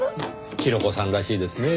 ヒロコさんらしいですねぇ。